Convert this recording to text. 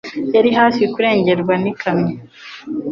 Wari hafi kurengerwa n'ikamyo.